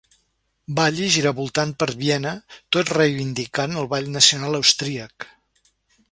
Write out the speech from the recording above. Balli giravoltant per Viena, tot reivindicant el ball nacional austríac.